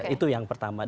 itu yang pertama